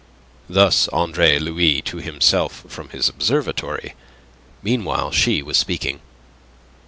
Thus Andre Louis to himself from his observatory. Meanwhile, she was speaking.